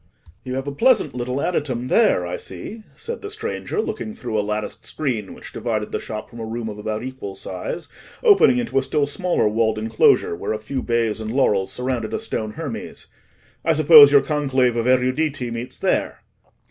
"You have a pleasant little adytum there, I see," said the stranger, looking through a latticed screen which divided the shop from a room of about equal size, opening into a still smaller walled enclosure, where a few bays and laurels surrounded a stone Hermes. "I suppose your conclave of eruditi meets there?"